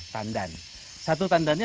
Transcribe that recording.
tandan satu tandannya